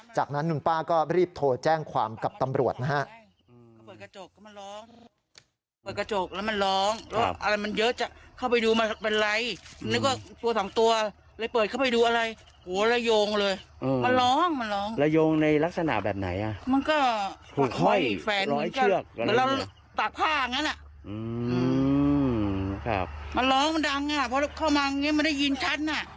จากนั้นลุงป้าก็รีบโทรแจ้งความกับตำรวจนะฮะ